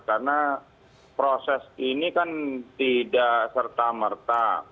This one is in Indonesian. karena proses ini kan tidak serta merta